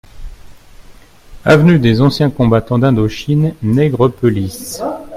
Avenue des Anciens Combattants d'Indochine, Nègrepelisse